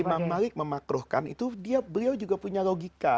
imam malik memakruhkan itu beliau juga punya logika